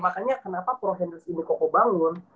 makanya kenapa pro henders ini koko bangun